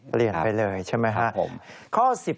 เปลี่ยนไปเลยใช่ไหมครับ